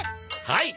はい。